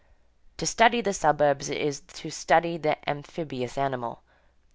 To study the suburbs is to study the amphibious animal.